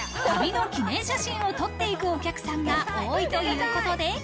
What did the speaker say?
旅の記念写真を撮っていくお客さんが多いということで。